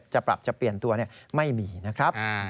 จะปรับจะเปลี่ยนตัวไม่มีนะครับ